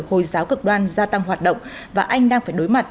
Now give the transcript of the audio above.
hồi giáo cực đoan gia tăng hoạt động và anh đang phải đối mặt